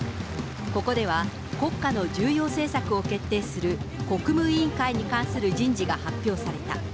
ここでは、国家の重要政策を決定する、国務委員会に関する人事が発表された。